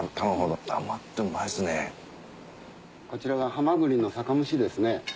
こちらがハマグリの酒蒸しです。